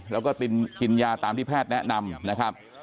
แล้วก็กินยาตามที่แพทย์แนะนำนะครับ